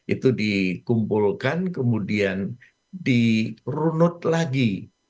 itu dikumpulkan kemudian di runut lagi